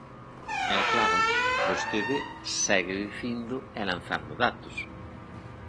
E, claro, vostede segue dicindo e lanzando datos.